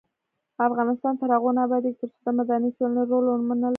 افغانستان تر هغو نه ابادیږي، ترڅو د مدني ټولنې رول ومنل نشي.